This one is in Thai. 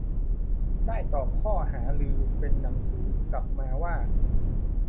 ได้ตอบข้อหารือเป็นหนังสือกลับมาว่า